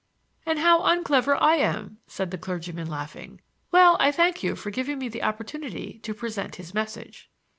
"And how unclever I am!" said the clergyman, laughing. "Well, I thank you for giving me the opportunity to present his message."